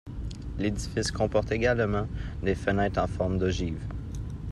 L'édifice comporte également des fenêtres en forme d'ogives.